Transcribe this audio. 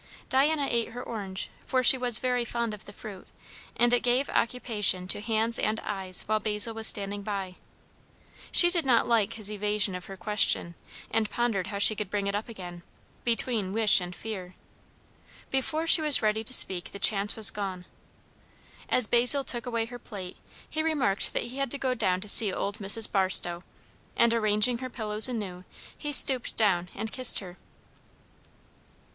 Diana ate her orange, for she was very fond of the fruit, and it gave occupation to hands and eyes while Basil was standing by. She did not like his evasion of her question, and pondered how she could bring it up again, between wish and fear. Before she was ready to speak the chance was gone. As Basil took away her plate, he remarked that he had to go down to see old Mrs. Barstow; and arranging her pillows anew, he stooped down and kissed her.